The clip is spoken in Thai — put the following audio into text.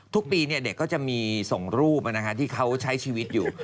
ทุกปีเด็กก็จะมีส่งรูปที่เขาใช้ชีวิตอยู่